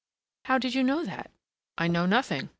"How did you know that?" "I know nothing."